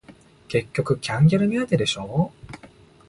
結局キャンギャル目当てでしょ